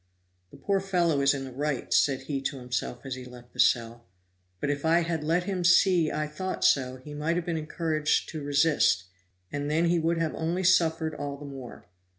"The poor fellow is in the right," said he to himself as he left the cell; "but if I had let him see I thought so, he might have been encouraged to resist, and then he would have only suffered all the more."